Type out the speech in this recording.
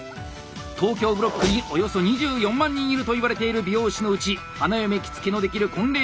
東京ブロックにおよそ２４万人いるといわれている美容師のうち花嫁着付のできる婚礼